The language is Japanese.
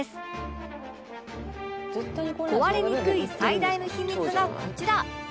壊れにくい最大の秘密がこちら